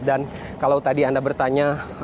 dan kalau tadi anda bertanya